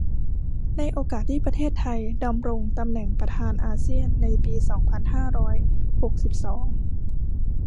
ในโอกาสที่ประเทศไทยดำรงตำแหน่งประธานอาเซียนในปีสองพันห้าร้อยหกสิบสอง